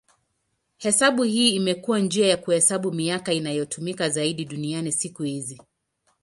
Hesabu hii imekuwa njia ya kuhesabu miaka inayotumika zaidi duniani siku hizi.